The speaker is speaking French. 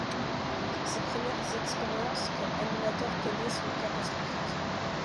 Ses premières expériences comme animateur télé sont catastrophiques.